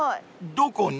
［どこに？］